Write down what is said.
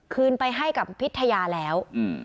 คืนไปให้กับพิทยาแล้ว